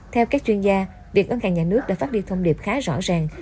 theo các chuyên gia việc ấn hạn nhà nước đã phát đi thông điệp khá rõ ràng